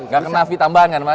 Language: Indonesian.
gak kena v tambahan kan mas